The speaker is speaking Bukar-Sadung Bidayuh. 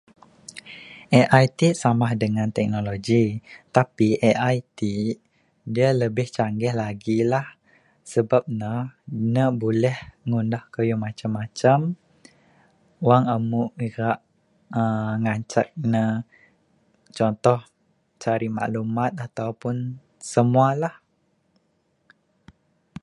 AI ti' samah dengan teknoloji tapi AI ti', dia lebih canggih lagi lah. Sebab ne, ne buleh ngundah kayuh macam macam. Wang amuk ira' aaa ngancak ne, contoh cari maklumat atau pun semua lah.